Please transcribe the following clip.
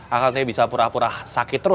akang te bisa pura pura sakit terus